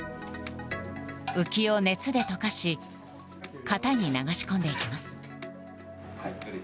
浮きを熱で溶かし型に流し込んでいきます。